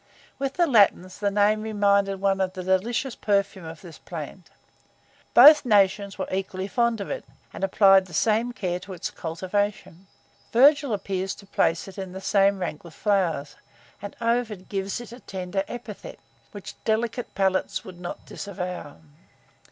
With the Latins, the name reminded one of the delicious perfume of this plant. Both nations were equally fond of it, and applied the same care to its cultivation. Virgil appears to place it in the same rank with flowers; and Ovid gives it a tender epithet, which delicate palates would not disavow.